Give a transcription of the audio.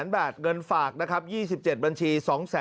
๑๘๐๐๐๐๐บาทเงินฝาก๒๗บัญชี